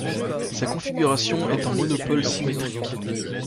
Sa configuration est en monopôle symétrique.